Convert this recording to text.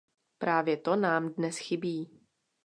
Právě to nám dnes chybí.